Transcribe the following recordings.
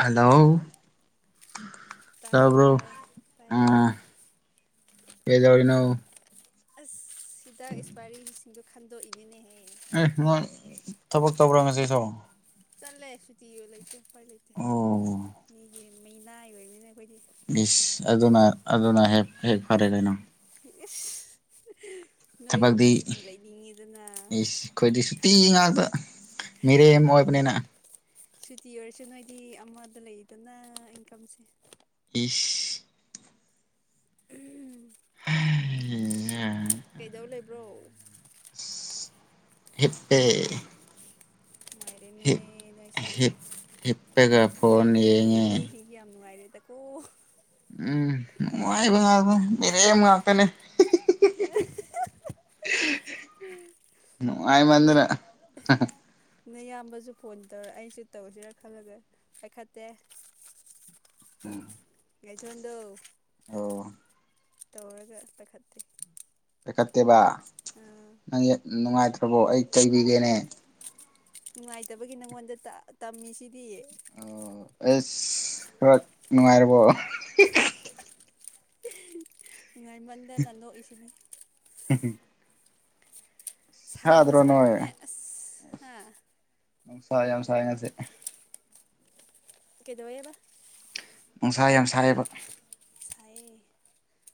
hello hello ꯇ ꯇꯥꯔꯦ ꯑꯖꯧꯅꯣ ꯇꯥꯔꯦ ꯇꯥꯏꯌꯦ ꯑꯁ ꯁꯤꯗ ꯏꯁꯄꯥꯏꯔꯤꯁꯤꯡꯗꯣ ꯈꯟꯗꯣꯛꯏꯅꯤꯅꯦꯍꯦ ꯎ ꯅ ꯊꯕꯛ ꯇꯧꯕ꯭ꯔꯥ ꯉꯁꯤ ꯁ ꯆꯠꯂꯦꯁꯨ ꯇꯤ ꯂꯩꯀꯣ ꯄꯥꯏ ꯂꯩꯇ ꯑꯣ ꯃꯤꯒꯤ ꯃꯤ ꯅꯥꯏ ꯑꯣꯏꯅꯤꯅ ꯑꯩꯈꯣꯏꯗꯤ ꯏꯁꯁ ꯑꯗꯨꯅ ꯑꯗꯨꯅ ꯍꯦꯛ ꯍꯦꯛ ꯐꯔꯦ ꯀꯩꯅꯣ [unintelligible] ꯊꯕꯛꯇꯤ ꯅꯣꯏꯒꯨꯝꯅ ꯁꯨꯇꯤ ꯂꯩꯅꯤꯡꯉꯤꯗꯅ ꯑꯩꯈꯣꯏꯗꯤ ꯁꯨꯇꯤ ꯉꯥꯛꯇ ꯃꯤꯔꯦ ꯑꯣꯏꯕꯅꯦꯅ ꯁꯨꯇꯤ ꯑꯣꯏꯔꯁꯨ ꯅꯣꯏꯗꯤ ꯑꯃꯗ ꯂꯩꯗꯅ ꯏꯟꯀꯝꯁꯦ ꯁ ꯎꯝ ꯎ ꯀꯩꯗꯧ ꯂꯩꯕ꯭ꯔꯣ ꯍꯄꯦ ꯍꯤꯞ ꯅꯨꯡꯉꯥꯏꯔꯦꯅꯦꯍꯦ ꯅꯣꯏꯁꯦ ꯍꯤꯞ ꯍꯤꯞꯄꯦꯒ ꯐꯣꯟ ꯌꯦꯉꯦ ꯇ ꯎꯝ ꯃꯅꯨꯡꯥꯏꯕ ꯉꯥꯛ ꯔ ꯃ ꯉꯥꯛꯇꯅꯦꯦ ꯃꯗ꯭ꯔꯦ ꯅꯪ ꯏꯌꯥꯝꯕꯁꯨ ꯐꯣꯟ ꯇꯧꯔ ꯑꯩꯁꯨ ꯇꯧꯁꯤꯔ ꯈꯜꯂꯒ ꯄꯥꯏꯈꯠꯇꯦ ꯎꯝ ꯉꯊꯗꯣ ꯑ ꯇꯧꯔꯒ ꯇꯈꯥꯠꯇ ꯂꯩꯠꯇꯕ ꯅꯨꯡꯉꯥꯏ ꯅꯠꯇ꯭ꯔꯕꯣ ꯑꯩ ꯀꯩꯕꯤꯒꯦꯅꯦ ꯅꯨꯡꯉꯥꯏꯇꯕꯒꯤ ꯅꯪꯉꯣꯟꯗ ꯇꯝꯃꯤꯁꯤꯗꯤ ꯑꯣ ꯑꯦꯁ ꯊꯔ ꯅꯨꯡꯉꯥꯏꯔꯕꯣ ꯉ ꯉꯥꯏꯃꯟꯗ ꯅꯅꯥꯟꯗꯣꯛꯏꯁꯤꯅꯦ ꯎꯝ ꯁꯥꯕꯨ ꯁꯥꯕꯅꯦ ꯑꯁ ꯍꯥ ꯁꯥꯏꯝ ꯁꯥꯏ ꯉꯁꯦ ꯀꯩꯗꯧꯕꯦꯕ ꯅꯨꯡꯁꯥ ꯌꯥꯝ ꯁꯥꯏꯕ ꯁ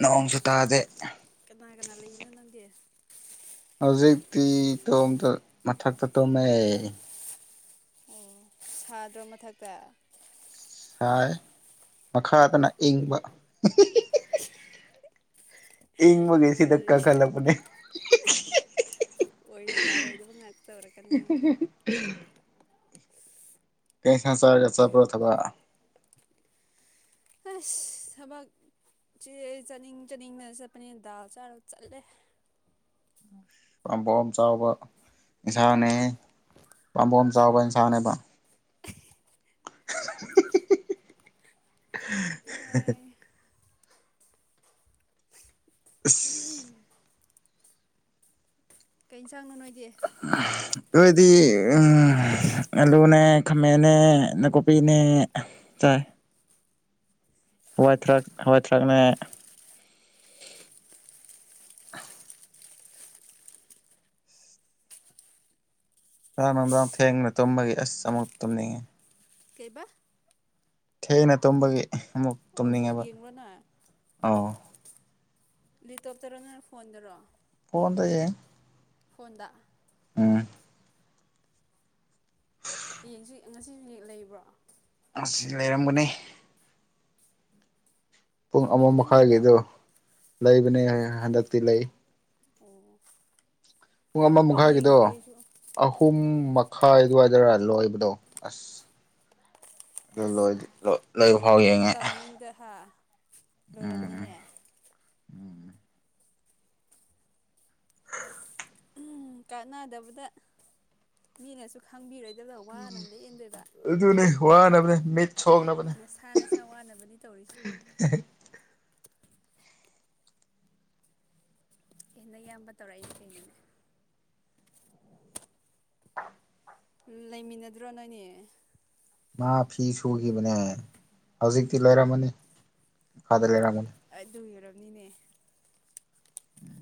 ꯅꯣꯡꯁꯨ ꯇꯥꯗꯦ ꯀꯅꯥ ꯀꯅꯥ ꯂꯩꯅꯣ ꯅꯪꯗꯤ ꯍꯧꯖꯤꯛꯇꯤ ꯇꯣꯝ ꯃꯊꯛꯇ ꯇꯣꯃꯦ ꯑꯣ ꯁꯥꯗ꯭ꯔꯣ ꯃꯊꯛꯇ ꯁꯥꯏ ꯃꯈꯥꯗꯅ ꯏꯪꯕ ꯏꯪ ꯃꯒꯦꯁꯤ ꯋꯥꯔꯤ ꯙꯛꯀꯥ ꯈꯂꯄꯅꯦ ꯑꯣꯏꯔ ꯄꯥꯔꯣꯏꯗꯕ ꯉꯥꯛꯇ ꯇꯧꯔꯛꯀꯅꯤ ꯅꯪꯗꯤ [unintelligible] ꯀ ꯍ ꯆꯥꯒ ꯆꯥꯄ ꯊꯕ ꯑꯁ ꯊꯕꯥꯛ ꯆꯦ ꯆꯥꯅꯤꯡ ꯆꯥꯅꯤꯡꯗꯅ ꯆꯠꯄꯅꯦꯅ ꯗꯥꯜ ꯆꯥꯔꯒ ꯆꯠꯂꯦ ꯄꯝꯕꯣꯝ ꯆꯥꯎꯕ ꯁꯥꯅꯦ ꯍꯥ ꯄꯝꯕꯝ ꯆꯥꯎꯕ ꯏꯟꯁꯥꯟꯅꯦꯕ [unintelligible] ꯑꯥꯏ [unintelligible] ꯑ ꯀꯩꯁꯥꯡꯅꯣ ꯅꯣꯏꯒꯤ ꯑꯩꯣꯏꯗꯤ ꯎ ꯑꯂꯨꯅꯦ ꯈꯥꯃꯦꯟꯅꯦ ꯅꯥꯀꯨꯞꯄꯤꯅꯦ ꯆꯥꯏ ꯍꯋꯥꯏ ꯊꯔꯥꯛ ꯍꯋꯥꯏ ꯊꯔꯥꯛꯅꯦ ꯉꯥ ꯅꯨꯡꯗꯥꯡꯝ ꯊꯦꯡꯅ ꯇꯨꯝꯕꯒꯤ ꯑꯁ ꯑꯃꯨꯛ ꯇꯨꯝꯅꯤꯡꯉꯤ ꯀꯩꯕꯥ ꯊꯦꯡꯅ ꯇꯝꯕꯒꯤ ꯑꯃꯨꯛ ꯑꯣ ꯕꯣꯜ ꯇꯨꯝꯅꯤꯡꯉꯕ ꯌꯦꯡꯕ꯭ꯔꯣ ꯅꯣꯏ ꯑꯥꯎ ꯂꯤꯇꯣꯞꯇꯔꯣ ꯅꯪꯅ ꯐꯣꯟꯗꯧꯔꯣ ꯐꯣꯟꯟ ꯇꯌꯦꯌꯦ ꯐꯣꯟꯗ ꯎꯝ ꯍꯌꯦꯡꯁꯨ ꯉꯁꯤꯁꯨ ꯍꯦꯛ ꯂꯩꯕ꯭ꯔꯣ ꯃꯁꯤ ꯂꯩꯔꯝꯒꯅꯤ ꯄꯨꯡ ꯑꯃ ꯅꯨꯃꯤꯠ ꯈꯨꯗꯤꯡ ꯂꯩꯕ꯭ꯔꯣ ꯃꯈꯥꯏꯒꯤꯗ ꯂꯩꯕꯅꯦ ꯍꯟꯗꯛꯇꯤ ꯂꯩ ꯑꯣ ꯄꯨꯡ ꯑꯃ ꯑꯃꯐꯥꯎ ꯃꯈꯥꯏꯒꯤꯗꯣ ꯌꯦꯡꯗ꯭ꯔꯤ ꯑꯩꯁꯨ ꯑꯍꯨꯝ ꯈꯥꯏ ꯑꯗꯨꯋꯥꯏꯗꯔ ꯂꯣꯏꯕꯗꯣ ꯑꯁ ꯑꯗꯨ ꯂꯣꯏꯗꯤ ꯂꯣꯏ ꯂꯣꯏꯕ ꯐꯥꯎ ꯅꯨꯡꯉꯥꯏꯕ ꯌꯦꯡꯉꯦ ꯃꯇꯝ ꯃꯤꯡꯗ ꯍꯥ ꯎꯝ ꯂꯣꯏꯔꯝꯅꯤꯅꯦ ꯀꯥꯟꯅꯗꯕꯗ ꯃꯤꯅꯁꯨ ꯈꯪꯕꯤꯔꯗꯤ ꯑꯗꯨꯗꯨꯅꯦ ꯍ ꯅꯕꯅꯦ ꯃꯠ ꯅꯁꯥ ꯅꯁꯥ ꯋꯥꯅꯕꯅꯤ ꯇꯧꯔꯤꯁꯦ ꯍ ꯍꯟꯗ ꯏꯌꯥꯝꯕ ꯇꯧꯔꯛꯏꯁ ꯊꯦꯡꯅꯤꯡꯅꯦ ꯂꯩꯃꯤꯟꯅꯗ꯭ꯔꯣ ꯅꯣꯏꯅꯦ ꯃꯥ ꯐꯤ ꯁꯨꯈꯤꯕꯅꯦ ꯍꯧꯖꯤꯛꯇꯤ ꯂꯩꯔꯝꯃꯅꯤ ꯐ ꯂꯩ ꯑ ꯑꯗꯨ ꯌꯔꯣ ꯅꯤꯅꯦ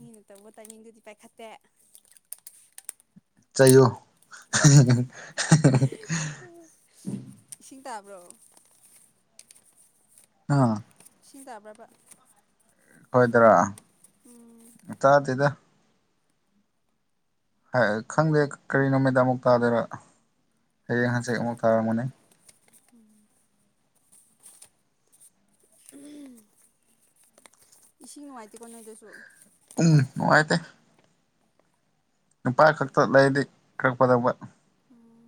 ꯃꯤꯅ ꯇꯧꯕ ꯇꯥꯏꯅꯤꯡꯗꯨꯗꯤ ꯄꯥꯏꯈꯠꯇꯦ ꯆꯥꯏꯌꯣ ꯇꯕ꯭ꯔꯣ ꯑꯥ ꯁꯤꯟꯗꯕ꯭ꯔꯕ ꯈꯈꯣꯏꯗꯔꯥ ꯆꯥꯗꯗ ꯍꯥꯏ ꯈꯪꯗꯦ ꯀꯔꯤ ꯅꯨꯃꯤꯠꯇ ꯑꯃꯨꯛ ꯇꯥꯗꯣꯏꯔ ꯍꯌꯦꯡ ꯍꯪꯆꯦ ꯑꯃꯨꯛ ꯇꯥꯔꯝꯃꯅꯤ ꯎ ꯎꯝ ꯏꯁꯤꯡ ꯅꯨꯡꯉꯥꯏꯇꯦꯀꯣ ꯅꯣꯏꯏꯗꯁꯨ ꯎꯝ ꯅꯨꯡꯉꯥꯏꯇ ꯅꯨꯄꯥ ꯈꯛꯇ ꯂꯩꯗꯤ ꯀꯔꯛꯄꯗꯧꯕ ꯎꯝ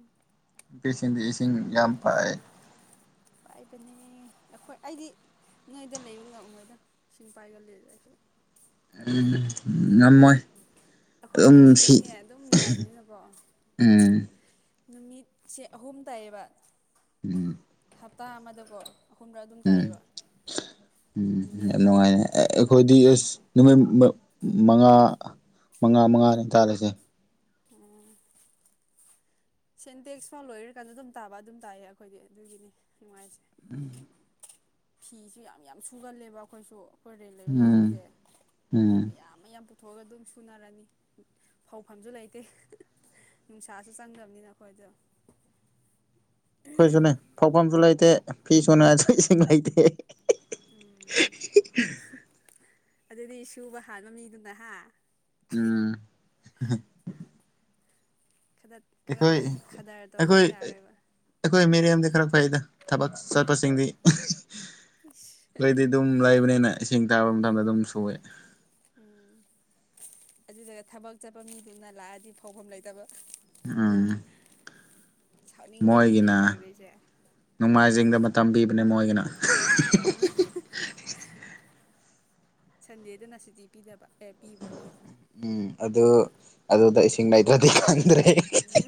ꯅꯨꯄꯤꯁꯤꯡꯗꯤ ꯏꯁꯤꯡ ꯌꯥꯝ ꯄꯥꯏ ꯄꯥꯏꯕꯅꯦ ꯑꯩꯈꯣꯏ ꯑꯩꯗꯤ ꯅꯣꯏꯗ ꯂꯩꯕ ꯉꯝꯃꯣꯏꯗ ꯏꯁꯤꯡ ꯄꯥꯏꯒꯂꯗ ꯑꯩꯁꯨ ꯎ ꯌꯥꯝꯃꯣꯏ ꯑꯩꯈꯣꯏꯗꯤ ꯏꯁꯤꯡꯅꯦ ꯑꯗꯨꯝ ꯅꯨꯡꯉꯥꯏꯕꯅꯤꯅꯀꯣ ꯎꯝ ꯅꯨꯃꯤꯠꯁꯦ ꯑꯍꯨꯝ ꯇꯥꯏꯌꯦꯕ ꯎꯝ ꯍꯞꯇꯥ ꯑꯃꯗꯀꯣ ꯑꯍꯨꯝꯔꯛ ꯑꯗꯨꯝ ꯎꯝ ꯇꯥꯏꯌꯦꯕ ꯎꯝ ꯅꯨꯃꯤꯠ ꯌꯥꯝ ꯑꯍꯨꯝ ꯅꯨꯡꯉꯥꯏ ꯑꯗꯨꯒ ꯑꯩꯈꯣꯏꯗꯤ ꯑ ꯅꯨꯃꯤꯠ ꯃꯉꯥ ꯃꯉꯥ ꯃꯉꯥꯅꯦ ꯇꯥꯂꯁꯦ ꯎꯝ ꯁꯦꯟꯇꯦꯛꯁ ꯐꯥꯎ ꯂꯣꯏꯔꯀꯥꯟꯗ ꯑꯗꯨꯝ ꯇꯥꯕ ꯑꯗꯨꯝ ꯇꯥꯏꯌꯦ ꯑꯩꯈꯣꯏꯗꯤ ꯑꯗꯨꯒꯤꯅꯤ ꯅꯨꯡꯉꯥꯏꯖꯩ ꯎꯝ ꯐꯤꯁꯨ ꯌꯥꯝ ꯌꯥꯝ ꯁꯨꯒꯜꯂꯦꯕ ꯑꯩꯈꯣꯏꯁꯨ ꯈꯣꯏꯔꯦꯟ ꯂꯩꯕ ꯎꯝ ꯃꯤꯁꯤꯡꯁꯦ ꯎꯝ ꯃꯌꯥꯝ ꯑꯃ ꯌꯥꯝ ꯄꯨꯊꯣꯛꯑꯒ ꯑꯗꯨꯝ ꯁꯨꯅꯔꯅꯤ ꯐꯧꯐꯝꯁꯨ ꯂꯩꯇꯦ ꯅꯨꯡꯁꯥꯁꯨ ꯆꯪꯗꯕꯅꯤꯅ ꯑꯩꯈꯣꯏꯗ ꯀꯣꯏꯁꯨ ꯅ ꯐꯥꯎ ꯄꯝ ꯨꯂꯥꯏ ꯦ ꯐꯤ ꯁꯅꯁꯨ ꯆꯁꯤꯡ ꯂꯩꯗꯦ ꯎꯝ ꯑꯗꯨꯗꯤ ꯁꯨꯕ ꯍꯥꯟꯕ ꯃꯤꯗꯨꯅ ꯍꯥ ꯎꯝ ꯈꯔ ꯑꯩꯈꯣꯏ ꯈꯗꯔ ꯇꯧꯗ ꯑꯩꯈꯣꯏ ꯌꯥꯔꯣꯏꯕ ꯑꯩꯈꯣꯏ ꯃꯦꯔ ꯑꯃꯗꯤꯗꯤ ꯈꯔ ꯐꯩꯗ ꯊꯕꯛ ꯆꯠꯄꯁꯤꯡꯗꯤ ꯀꯣꯏꯗꯤ ꯑꯗꯨꯝ ꯂꯥꯛꯕꯅꯦ ꯑꯩꯅ ꯏꯁꯤꯡ ꯇꯥꯕ ꯃꯇꯝꯗ ꯑꯗꯨꯝ ꯁꯨꯑꯦ ꯎꯝ ꯑꯗꯨꯗꯨꯒ ꯊꯕꯛ ꯆꯠꯄ ꯃꯤꯗꯨꯅ ꯂꯥꯛꯑꯗꯤ ꯐꯥꯎꯐꯝ ꯂꯩꯇꯕ ꯑꯥ ꯃꯣꯏꯒꯤꯅ ꯁꯥꯎꯅꯤꯡꯗꯣꯏꯅꯤꯅꯦ ꯇꯧꯔꯤꯁꯦ ꯅꯣꯡꯃꯥꯏꯖꯤꯡꯗ ꯇꯝꯕꯤꯕꯅꯦ ꯃꯣꯏꯒꯤꯅ ꯎꯝ ꯁꯟꯗꯦꯗꯅ ꯁꯤꯇꯤ ꯄꯤꯗꯕ ꯑꯦ ꯄꯤꯕ꯭ꯔꯥ ꯃꯣꯏꯗ ꯎꯝ ꯑꯗꯨ ꯑꯗꯨꯗ ꯏꯁꯤꯡ ꯂꯩꯇ꯭ꯔꯗꯤ ꯗ꯭ꯔꯦ ꯎꯝ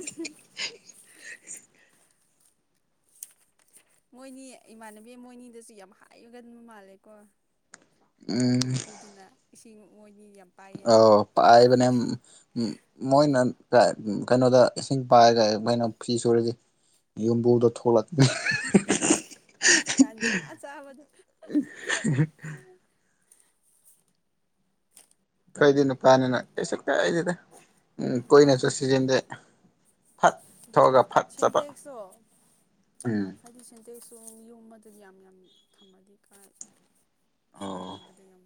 ꯃꯣꯏꯅꯤ ꯏꯃꯥꯟꯅꯕꯤ ꯃꯣꯏꯅꯤꯗꯁꯨ ꯌꯥꯝ ꯍꯥꯏꯔꯒꯕ ꯃꯥꯜꯂꯦꯀꯣ ꯎꯝ ꯃ ꯄꯨꯗꯨꯅ ꯆꯤꯡ ꯃꯣꯏꯅꯤ ꯌꯥꯝ ꯑ ꯄꯥꯏꯌꯦꯅ ꯄꯥꯏ ꯃꯅꯦ ꯃꯣꯏ ꯀꯩꯅꯣꯗ ꯏꯁꯤꯡ ꯄꯥꯏꯔꯒ ꯀꯩꯅꯣ ꯐ꯭ꯤ ꯁꯨꯔꯗꯤ ꯌꯨꯝꯕꯨꯗꯣ ꯊꯣꯛꯂꯛꯅꯤ ꯇꯥꯟ ꯆꯥ ꯆꯥ ꯃ ꯀꯩꯗꯅ ꯄꯅꯤꯅꯁꯨ ꯀ ꯀꯗꯗ ꯎꯝ ꯀꯣꯏꯅꯦ ꯁꯁꯤ ꯆꯗ ꯁꯦꯟꯇꯦꯛꯁꯨꯣ ꯎꯝ ꯍꯥꯏꯗꯤ ꯁꯦꯟꯇꯦꯛ ꯁ ꯌꯨꯝ ꯑꯗꯨꯗꯤ ꯌꯥꯝ ꯌꯥꯝ ꯊꯝꯃꯗꯤ ꯀꯥꯏ ꯑꯣ ꯁꯤꯖꯤꯟꯅꯕꯗ ꯌꯥꯝ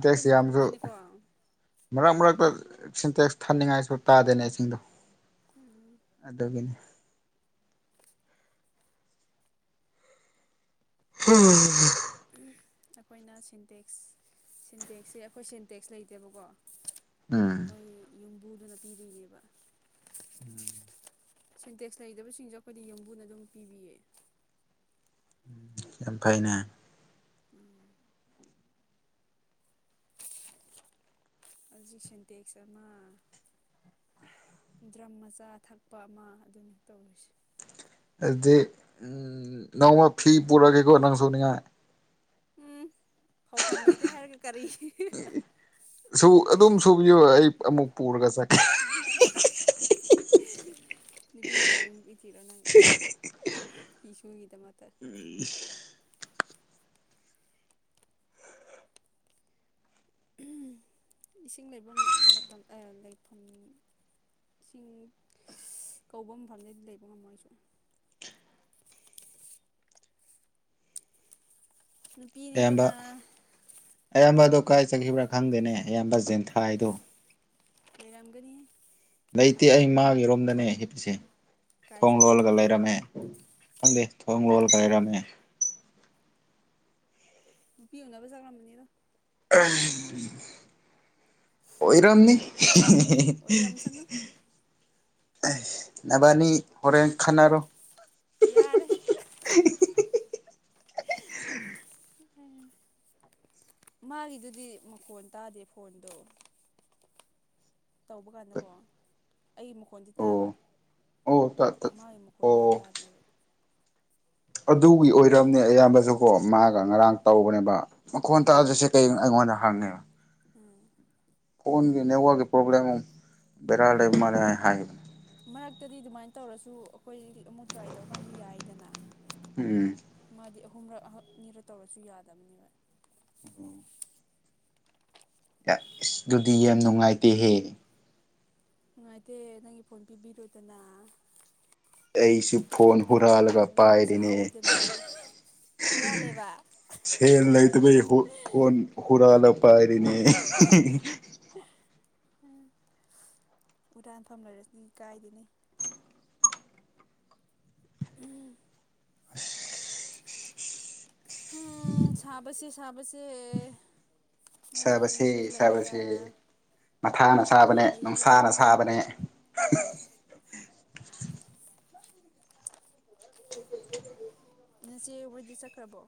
ꯑꯩꯈꯣꯏ ꯌꯥꯝꯁꯨ ꯃꯄꯨꯅꯤꯅꯦꯀꯣ ꯃꯔꯛ ꯃꯔꯛꯇ ꯁꯤꯟꯇꯦꯛꯁ ꯊꯥꯅꯤꯡꯉꯥꯏꯁꯨ ꯇꯥꯗꯦꯅꯦ ꯏꯁꯤꯡꯗꯣ ꯎꯝ ꯑꯗꯨꯒꯤꯅꯦ ꯍꯝ ꯑꯩꯈꯣꯏꯅ ꯁꯤꯟꯇꯦꯛꯁ ꯁꯤꯟꯇꯦꯛꯁꯦ ꯑꯩꯈꯣꯏ ꯁꯤꯟꯇꯦꯛꯁ ꯂꯩꯇꯦꯕꯀꯣ ꯎꯝ ꯑꯩꯈꯣꯏ ꯌꯨꯝꯕꯨꯗꯨꯅ ꯄꯤꯕꯤꯅꯦꯕ ꯁꯤꯟꯇꯦꯛꯁ ꯂꯩꯗꯕꯁꯤꯡꯁꯨ ꯑꯩꯈꯣꯏꯗꯤ ꯌꯨꯝꯕꯨꯅ ꯑꯗꯨꯝ ꯄꯤꯕꯤꯌꯦ ꯌꯥꯝ ꯐꯥꯏꯅꯦ ꯎꯝ ꯍꯧꯖꯤꯛ ꯁꯦꯟꯇꯦꯛꯁ ꯑꯃ ꯗ꯭ꯔꯝ ꯃꯆꯥ ꯊꯛꯄ ꯑꯃ ꯑꯗꯨꯅꯤ ꯇꯧꯔꯤꯁꯦ ꯑꯗꯨꯗꯤ ꯎꯝ ꯅꯣꯡꯃ ꯐꯤ ꯄꯨꯔꯛꯒꯦꯀꯣ ꯅꯪ ꯁꯅꯤꯡꯉ ꯎꯝ ꯐꯥꯎꯐꯝ ꯂꯩꯇꯦ ꯍꯥꯏꯔꯒ ꯀꯔꯤ ꯁꯨ ꯑꯗꯨꯝ ꯁꯨꯕꯤꯌꯨ ꯑꯩ ꯑꯃꯨꯛ ꯄꯨꯔꯒ ꯆꯦ [inaudible] ꯄꯤ ꯊꯤꯔꯣ ꯄ ꯊꯤꯔꯣ ꯅ ꯐꯤꯁꯨꯒꯤꯗꯃꯛꯇ ꯑꯩ [inaudible] ꯏꯁꯤꯡ ꯂꯩꯐꯝ ꯃꯇꯝ ꯂꯩꯐꯝ ꯏꯁꯤꯡ ꯀꯧꯕ ꯃꯐꯝꯗꯩꯗꯤ ꯂꯩꯕ ꯉꯝꯃꯣꯏꯁꯨ ꯑꯝꯕ ꯅꯨꯄꯤꯅꯤꯗꯅ ꯑꯌꯥꯝꯕ ꯑ ꯑꯀꯥꯏ ꯆꯈꯤꯕ꯭ꯔꯥ ꯈꯪꯗꯦꯅꯦ ꯑꯌꯥꯝꯕ ꯖꯦꯟꯊꯥꯏꯗꯨꯣ ꯀꯔꯪꯒꯅꯤꯌꯦ ꯂꯩꯇꯦ ꯑꯩ ꯃꯥꯒꯤꯔꯣꯝꯗꯅꯦ ꯍꯤꯞꯄꯤꯁꯦ ꯀꯥꯏ ꯊꯣꯡ ꯆꯠꯈꯤꯕ ꯂꯣꯜꯂꯒ ꯑꯗꯨꯗꯤ ꯂꯩꯔꯝꯃꯦ ꯃꯥꯗꯤ ꯈꯪꯗꯦ ꯊꯣꯡꯒꯣꯜ ꯀꯥꯏꯔꯃꯦ ꯅꯨꯄꯤꯤꯌꯅꯅꯕ ꯆꯛꯂꯝꯕꯅꯤꯗ ꯑꯣꯏꯔꯝꯅꯤ ꯑꯣꯏꯔꯝꯁꯅꯨ [inaudible] ꯅꯕꯥꯅꯤ ꯍꯣꯔꯦꯟ ꯈꯅꯥꯔꯣ ꯌꯥꯔꯦ ꯃꯥꯒꯤꯗꯨꯗꯤ ꯃꯈꯣꯟ ꯇꯥꯗꯦ ꯐꯣꯟꯗꯣ ꯇꯧꯕ ꯀꯥꯟꯗꯀꯣ ꯑꯩꯒꯤ ꯃꯈꯣꯜꯗꯤ ꯇꯥꯕ ꯑꯣ ꯑꯣ ꯇ ꯇ ꯃꯥꯒꯤ ꯃꯈꯣꯜꯗꯨꯅ ꯑꯣ ꯇꯥꯗꯦꯕ ꯑꯗꯨꯒꯤ ꯑꯣꯏꯔꯝꯅꯦ ꯑꯌꯥꯝꯕꯁꯨ ꯀꯣ ꯃꯥꯒ ꯉꯔꯥꯡ ꯎꯝ ꯇꯧꯕꯅꯦꯕ ꯃꯈꯣꯟ ꯎꯝ ꯇꯥꯗ꯭ꯔꯁꯦ ꯀꯩ ꯑꯩꯉꯣꯟꯗ [unintelligible] ꯎꯝ ꯐꯣꯟꯒꯤ ꯅꯦꯋꯥꯒꯤ ꯄꯣꯕ꯭ꯂꯦꯝ ꯕꯦꯔꯥ ꯂꯩꯕ ꯃꯥꯂꯦ ꯍꯥꯏ ꯃꯔꯛꯇꯗꯤ ꯑꯗꯨꯃꯥꯏꯟ ꯇꯧꯔꯁꯨ ꯑꯈꯣꯏ ꯑꯃꯨꯛ ꯇ꯭ꯔꯥꯏ ꯇꯧꯀꯥꯟꯗ ꯌꯥꯏꯗꯅ ꯎꯝ ꯃꯥꯗꯤ ꯑꯍꯨꯝꯔꯛ ꯑꯍꯛꯅꯤꯔ ꯇꯧꯔꯁꯨ ꯌꯥꯗꯕꯅꯦꯕ ꯏꯁ ꯗꯨꯗꯤ ꯌꯥꯝ ꯅꯨꯡꯉꯥꯏꯇꯦꯍꯦ ꯅꯨꯡꯉꯥꯏꯇꯦ ꯅꯪꯒꯤ ꯐꯣꯟ ꯄꯤꯕꯤꯔꯣꯗꯅ ꯑꯩꯁꯨ ꯐꯣꯟ ꯍꯨꯔꯥꯜꯂꯒ ꯄꯨꯛꯅꯤꯡ ꯄꯥꯏꯔꯤꯅꯦ ꯆꯥꯎꯗꯅ ꯍꯨꯔꯥꯜꯂꯦꯕ ꯁꯦꯜ ꯂꯩꯇꯕꯩ ꯐꯣꯟ ꯍꯔꯥꯜꯂ ꯄꯥꯏ ꯔꯤꯅꯦ ꯎꯝ ꯎꯔꯥꯟꯐꯝ ꯂꯩꯔꯗꯤ ꯀꯥꯏꯗꯦꯅꯦ ꯎꯝ ꯎ ꯁꯥꯕꯁꯦ ꯁꯥꯕꯁꯦ ꯅꯣꯏꯗꯤ ꯁꯥꯕꯁꯦ ꯌꯨꯝꯗ ꯂꯩꯔꯒ ꯁꯥꯕꯁꯦ ꯃꯊꯥꯅ ꯁꯥꯕꯅꯦ ꯅꯨꯡꯉꯥꯏꯅ ꯂꯩꯕ ꯅꯨꯡꯁꯥꯅ ꯁꯥꯕꯅꯦ ꯍꯣꯏ [unintelligible] ꯅꯆꯦ ꯍꯣꯏꯗꯤ ꯆꯠꯈ꯭ꯔꯕꯣ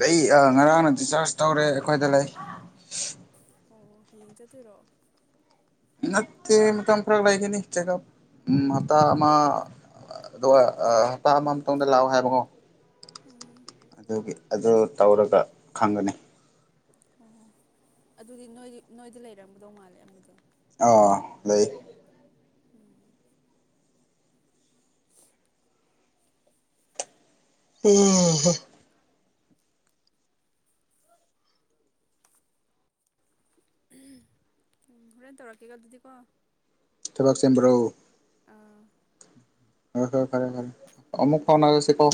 ꯂꯩ ꯑꯥ꫰ ꯉꯔꯥꯡꯅ ꯗꯤꯆꯥꯔꯖ ꯇꯧꯔꯦ ꯑꯩꯈꯣꯏꯗ ꯂꯩ ꯑꯣ ꯍꯌꯦꯡ ꯆꯠꯇꯣꯏꯔꯣ ꯅꯠꯇꯦ ꯃꯇꯝ ꯈꯔ ꯂꯩꯒꯅꯤ ꯆꯦꯛꯑꯞ ꯎꯝ ꯍꯇꯥ ꯑꯃ ꯑꯗꯨꯒ ꯍꯇꯥ ꯑꯃ ꯃꯇꯨꯡꯗ ꯂꯥꯥꯛꯑꯣ ꯍꯥꯏꯕꯀꯣ ꯎꯝ ꯑꯗꯨꯒꯤ ꯑꯗꯨ ꯇꯧꯔꯒ ꯈꯪꯒꯅꯤ ꯑꯣ ꯑꯗꯨꯗꯤ ꯅꯣꯏꯒꯤ ꯅꯣꯏꯗ ꯂꯩꯔꯝꯒꯗꯧ ꯃꯥꯜꯂꯦ ꯑꯃꯗꯣ ꯑꯥ ꯂꯩ [inaudible] [unintelligible] ꯎꯝ ꯍꯣꯔꯦꯟ ꯇꯧꯔꯛꯀꯦꯒ ꯑꯗꯨꯗꯤꯀꯣ ꯕꯛ ꯆꯦꯝꯕ꯭ꯔꯣ ꯑꯥ ꯍꯣꯏ ꯍꯣꯏ ꯐꯔꯦ ꯐꯔꯦ ꯑꯃꯨꯛ ꯎꯝ ꯐꯥꯎꯅꯔꯁꯦ ꯀꯣ